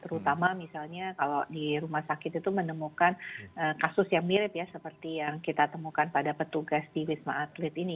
terutama misalnya kalau di rumah sakit itu menemukan kasus yang mirip ya seperti yang kita temukan pada petugas di wisma atlet ini